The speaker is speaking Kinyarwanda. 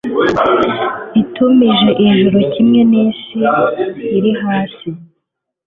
Itumije ijuru kimwe n’isi iri hasi